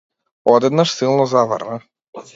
Одеднаш силно заврна.